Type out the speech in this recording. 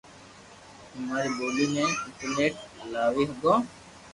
امري بولي ني انٽرنيٽ لاوي ھگو